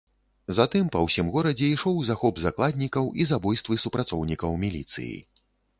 Затым па ўсім горадзе ішоў захоп закладнікаў і забойствы супрацоўнікаў міліцыі.